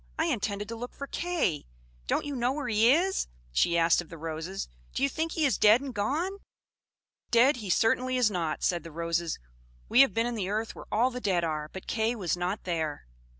"I intended to look for Kay! Don't you know where he is?" she asked of the roses. "Do you think he is dead and gone?" "Dead he certainly is not," said the Roses. "We have been in the earth where all the dead are, but Kay was not there."